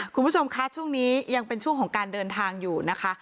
คุณผู้ชมคะช่วงนี้ยังเป็นช่วงของการเดินทางอยู่นะคะ